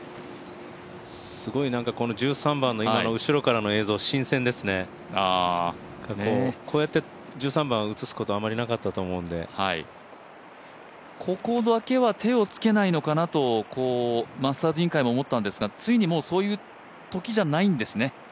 すごい１３番の後ろからの映像新鮮ですね、こうやって１３番映すことは、あんまりなかったと思うのでここだけは手をつけないのかなとマスターズ委員会も思ったんですが、ついにそういうときじゃないんですね。